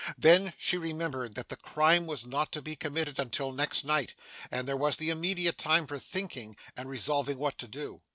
Then, she remembered that the crime was not to be committed until next night, and there was the intermediate time for thinking, and resolving what to do.